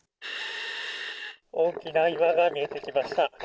大きな岩が見えてきました。